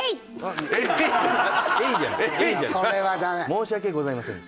申し訳ございません。